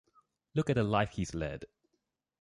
Look at the life he's led.